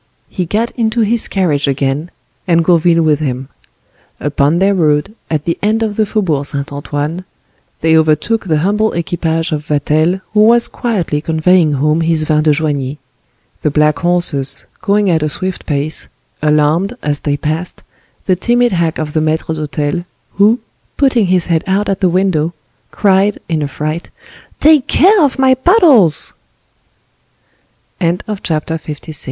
He got into his carriage again, and Gourville with him. Upon their road, at the end of the Faubourg Saint Antoine, they overtook the humble equipage of Vatel, who was quietly conveying home his vin de Joigny. The black horses, going at a swift pace, alarmed, as they passed, the timid hack of the maitre d'hotel, who, putting his head out at the window, cried, in a fright, "Take care of my bottles!"* * In the f